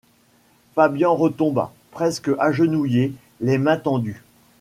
Fabian retomba, presque agenouillé, les mains tendues.